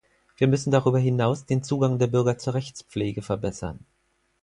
Wir müssen darüber hinaus den Zugang der Bürger zur Rechtspflege verbessern.